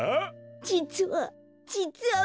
じつはじつはボク。